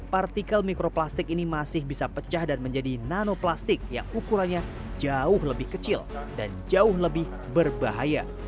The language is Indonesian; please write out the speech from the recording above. partikel mikroplastik ini masih bisa pecah dan menjadi nanoplastik yang ukurannya jauh lebih kecil dan jauh lebih berbahaya